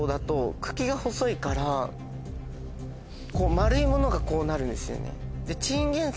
丸いものがこうなるんですよね。